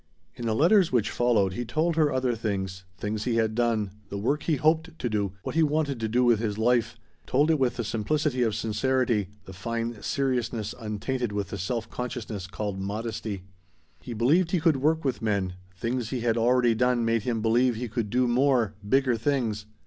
In the letters which followed he told her other things, things he had done, the work he hoped to do, what he wanted to do with his life. Told it with the simplicity of sincerity, the fine seriousness untainted with the self consciousness called modesty. He believed he could work with men; things he had already done made him believe he could do more, bigger things.